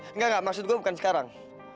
enggak enggak maksud gue bukan sekarang